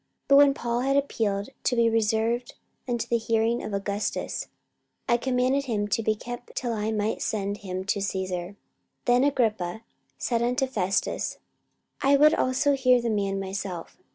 44:025:021 But when Paul had appealed to be reserved unto the hearing of Augustus, I commanded him to be kept till I might send him to Caesar. 44:025:022 Then Agrippa said unto Festus, I would also hear the man myself.